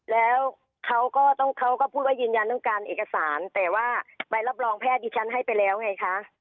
แล้วเขาก็ต้องเขาก็พูดว่ายืนยันต้องการเอกสารแต่ว่าใบรับรองแพทย์ดิฉันให้ไปแล้วไงคะ